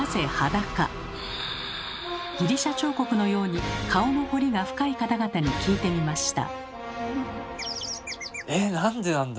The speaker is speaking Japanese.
ギリシャ彫刻のように顔の彫りが深い方々に聞いてみました。